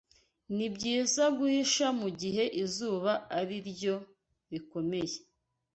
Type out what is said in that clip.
Nibyiza guhisha mugihe izuba ariryo rikomeye.